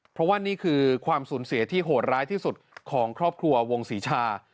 เพราะว่านี่คือความสูญเสียที่โหดร้ายที่สุดของครอบครัววงศรีชา